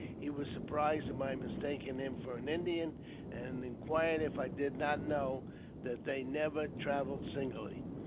He was surprised at my mistaking him for an Indian, and inquired if I did not know that they never travelled singly.